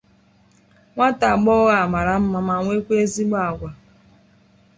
Nwata nwagbọghọ a mara mma ma nwekwaa ezigbo agwa